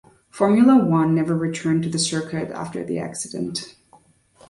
Formula One never returned to the circuit after the accident.